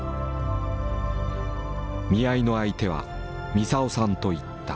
見合いの相手は「みさをさん」といった。